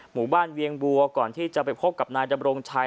เวียงบัวก่อนที่จะไปพบกับนายดำรงชัย